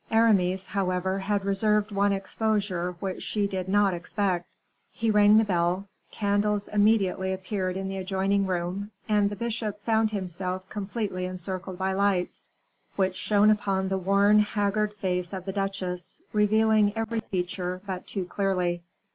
Aramis, however, had reserved one exposure which she did not expect. He rang the bell, candles immediately appeared in the adjoining room, and the bishop found himself completely encircled by lights, which shone upon the worn, haggard face of the duchesse, revealing every feature but too clearly.